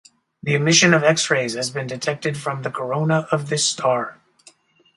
The emission of X-rays has been detected from the corona of this star.